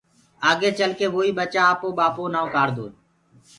آگي چل ڪي ووئيٚ ٻچآ ٻآپوو ڪو نآئو ڪآڙدوئي